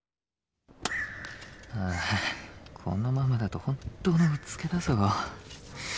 ああこのままだと本当のうつけだぞ。